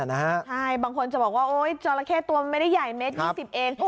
ใช่บางคนจะบอกว่าโอ๊ยจราเข้ตัวมันไม่ได้ใหญ่เมตร๒๐เอง